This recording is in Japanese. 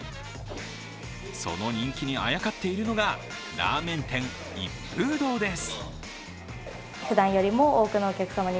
その人気にあやかっているのがラーメン店、一風堂です。